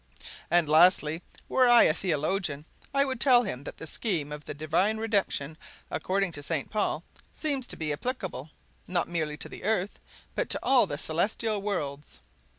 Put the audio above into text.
And lastly, were I a theologian, I would tell him that the scheme of the Divine Redemption, according to St. Paul, seems to be applicable, not merely to the earth, but to all the celestial worlds.